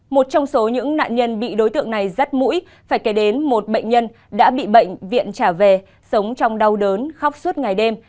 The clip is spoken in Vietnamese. một trong số những nạn nhân bị đối tượng này rắt mũi phải kể đến một bệnh nhân đã bị bệnh viện trả về sống trong đau đớn khóc suốt ngày đêm